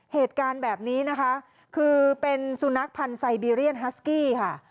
เหตุการณ์แบบนี้นะคะคือเป็นสุนัขพันธ์ไซบีเรียนฮัสกี้ค่ะ